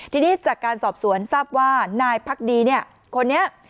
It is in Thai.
ทีนี้จากการสอบสวนทราบว่านายพักดีเนี่ยคนนี้